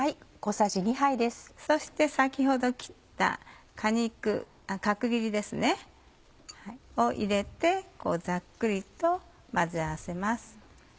そして先ほど切った果肉角切りですね。を入れてざっくりと混ぜ合わせます。